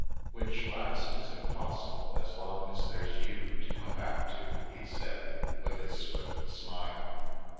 "Which last is impossible as long as there's you to come back to!" he said, with his swift smile.